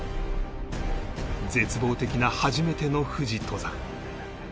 絶望的な初めての富士登山